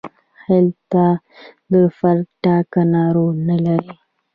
هلته د فرد ټاکنه رول نه لري.